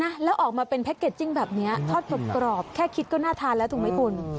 แล้วออกมาเป็นแพ็กเกจจิ้งแบบนี้ทอดกรอบแค่คิดก็น่าทานแล้วถูกไหมคุณ